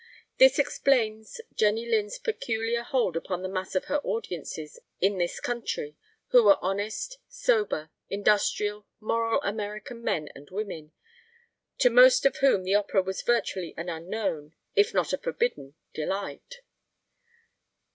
This explains Jenny Lind's peculiar hold upon the mass of her audiences in this country, who were honest, sober, industrious, moral American men and women, to most of whom the opera was virtually an unknown, if not a forbidden, delight.